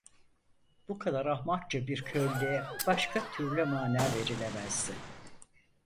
Bu kadar ahmakça bir körlüğe başka türlü mana verilemezdi.